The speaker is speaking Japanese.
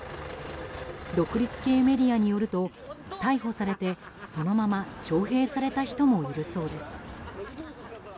独立系メディアによると逮捕されてそのまま徴兵された人もいるそうです。